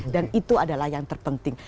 dan itu adalah yang terpenting